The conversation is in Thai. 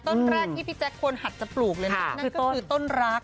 ต้นแรกที่พี่แจ๊คควรหัดจะปลูกเลยนะนั่นก็คือต้นรัก